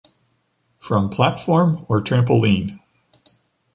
From platform or trampoline.